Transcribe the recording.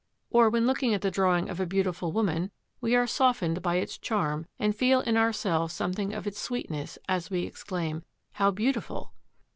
Or, when looking at the drawing of a beautiful woman, we are softened by its charm and feel in ourselves something of its sweetness as we exclaim, "How beautiful."